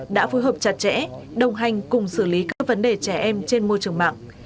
đã phối hợp chặt chẽ đồng hành cùng xử lý các vấn đề trẻ em trên môi trường mạng